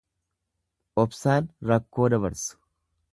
Obsaan rakkoo dabarsu.